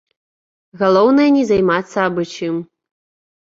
Галоўнае не займацца абы чым.